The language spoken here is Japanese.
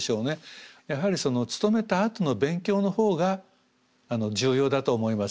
やはり勤めたあとの勉強のほうが重要だと思います。